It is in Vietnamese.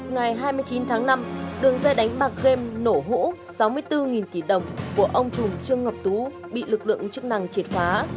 ngày hai mươi chín tháng năm đường dây đánh bạc game nổ hũ sáu mươi bốn tỷ đồng của ông trùm trương ngọc tú bị lực lượng chức năng triệt phá